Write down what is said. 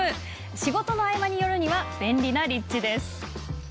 仕事帰りに寄るには便利な立地です。